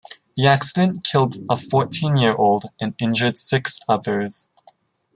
The accident killed a fourteen-year-old and injured six others.